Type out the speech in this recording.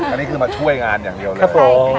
อันนี้คือมาช่วยงานอย่างเดียวเลย